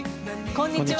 こんにちは。